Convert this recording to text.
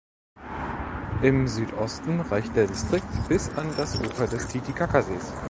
Im Südosten reicht der Distrikt bis an das Ufer des Titicacasees.